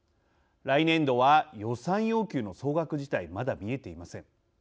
来年度は、予算要求の総額自体まだ見えていません。